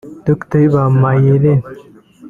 Dr Iba Mayere